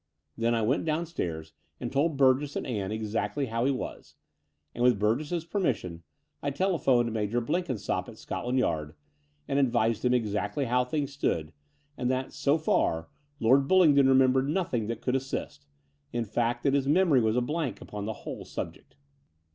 Then I went downstairs and told Burgess and Ann exactly how he was : and, with Burgess's per mission, I telephoned Major Blenkinsopp at Scot land Yard and advised him exactly how things stood, and that, so far. Lord Bullingdon remem bered nothing that could assist — in fact, that his memory was a blank upon the whole subject.